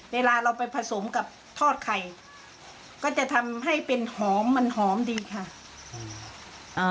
เวลาเราไปผสมกับทอดไข่ก็จะทำให้เป็นหอมมันหอมดีค่ะ